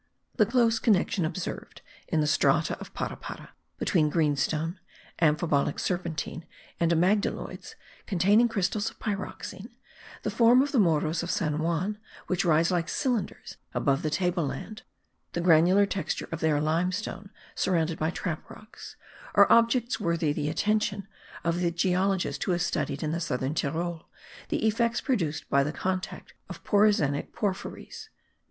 The close connection observed in the strata of Parapara, between greenstone, amphibolic serpentine, and amygdaloids containing crystals of pyroxene; the form of the Morros of San Juan, which rise like cylinders above the table land; the granular texture of their limestone, surrounded by trap rocks, are objects worthy the attention of the geologist who has studied in the southern Tyrol the effects produced by the contact of poroxenic porphyries.